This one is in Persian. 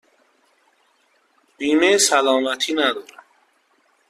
من بیمه سلامتی ندارم.